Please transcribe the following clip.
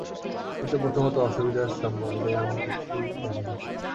কিন্তু প্রথমত অসুবিধা সম্বন্ধে আমি কিছুই জানি না।